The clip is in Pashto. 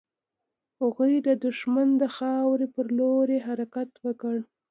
هغوی د دښمن د خاورې پر لور يې حرکت وکړ.